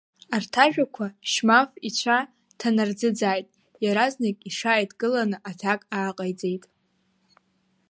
Арҭ ажәақәа Шьмаф ицәа дҭанырӡыӡааит иаразнак иҽааидкыланы аҭак ааҟаиҵеит.